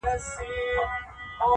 • غلط دودونه نسلونه خرابوي ډېر..